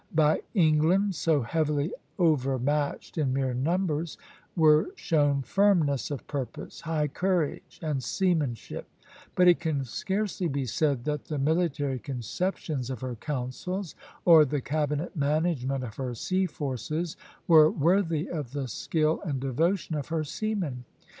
By England, so heavily overmatched in mere numbers, were shown firmness of purpose, high courage, and seamanship; but it can scarcely be said that the military conceptions of her councils, or the cabinet management of her sea forces, were worthy of the skill and devotion of her seamen.